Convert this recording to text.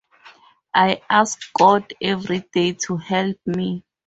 I ask God every day to help me.